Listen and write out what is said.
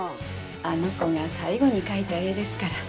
あの子が最後に描いた絵ですから。